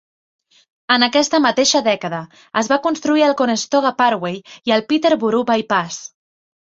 En aquesta mateixa dècada, es va construir el Conestoga Parkway i el Peterborough Bypass.